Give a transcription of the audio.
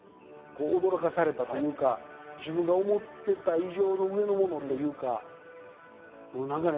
驚かされたというか自分が思ってた以上の上のものというか何かね。